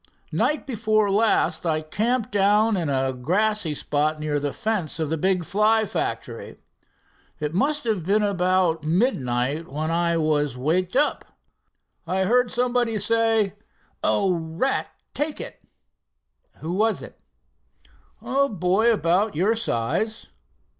"Night before last I camped down in a grassy spot near the fence of the big Fly factory. It must have been about midnight when I was waked up. I heard somebody say: 'Oh, at take it!'" "Who was it?" "A boy about your size."